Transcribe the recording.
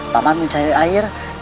paman mencari air